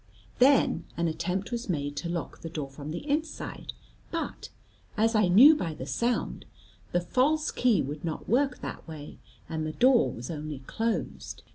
Then an attempt was made to lock the door from the inside, but as I knew by the sound the false key would not work that way, and the door was only closed.